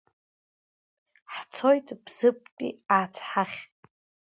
Ҳцоит Бзыԥҭатәи ацҳахь.